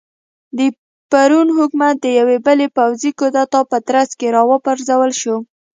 د پېرون حکومت د یوې بلې پوځي کودتا په ترڅ کې را وپرځول شو.